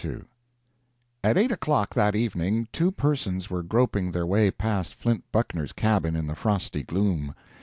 II At eight o'clock that evening two persons were groping their way past Flint Buckner's cabin in the frosty gloom.